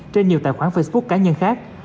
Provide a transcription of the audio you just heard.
trên nhiều tài khoản facebook cá nhân khác